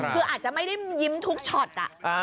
คืออาจจะไม่ได้ยิ้มทุกช็อต